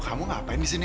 kamu ngapain disini